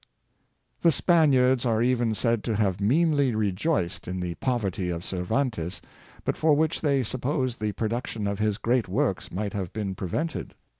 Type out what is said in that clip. The Spaniards are even said to have meanly rejoiced in the poverty of Cervantes, but for which they sup posed the production of his great works might have been prevented.